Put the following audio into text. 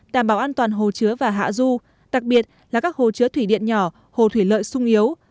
đảm bảo an toàn hồ chứa và hạ du đặc biệt là các hồ chứa thủy điện nhỏ hồ thủy lợi sung yếu